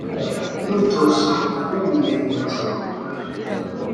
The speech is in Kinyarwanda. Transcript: umwitozo wu bumenyi ngiro